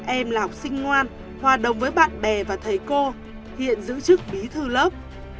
em là học sinh ngoan hòa đồng với bạn bè và thầy cô hiện giữ chức bí thư lớp